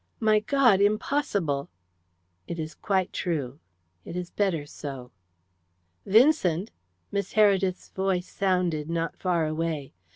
My God! Impossible!" "It is quite true. It is better so." "Vincent!" Miss Heredith's voice sounded not far away.